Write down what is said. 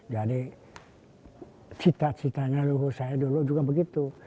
jadi cita citanya dulu saya dulu juga begitu